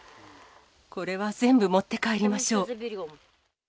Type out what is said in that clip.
これは全部持って帰りましょう。